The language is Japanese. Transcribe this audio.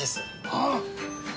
ああ。